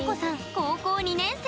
高校２年生。